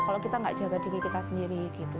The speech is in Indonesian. kalau kita nggak jaga diri kita sendiri gitu